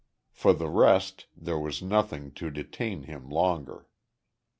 For the rest, there was nothing to detain him longer.